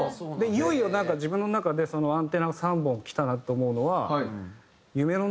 いよいよなんか自分の中でアンテナ３本きたなって思うのは。